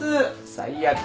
最悪。